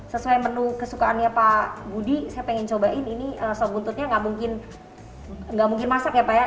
sesuai menu kesukaannya pak budi saya pengen cobain ini sop buntutnya nggak mungkin masak ya pak ya